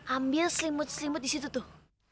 ambil selimut selimut disitu tuh